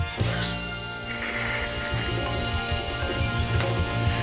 く。